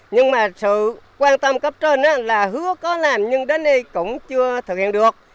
nhưng mà sự quan tâm cấp trên là hứa có làm nhưng đến nay cũng chưa thực hiện được